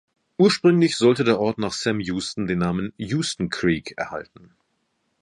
Ursprünglich sollte der Ort nach Sam Houston den Namen "Houston Creek" erhalten.